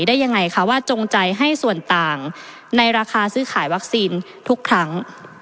ได้ยังไงคะว่าจงใจให้ส่วนต่างในราคาซื้อขายวัคซีนทุกครั้ง